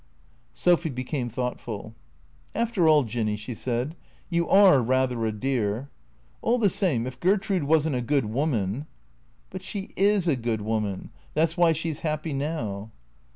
Sophy became thoughtful. " After all. Jinny," she said, " you are rather a dear. All the same, if Gertrude was n't a good woman "" But she is a good woman. That 's why she 's happy now."